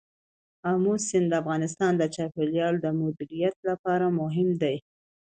آمو سیند د افغانستان د چاپیریال د مدیریت لپاره مهم دي.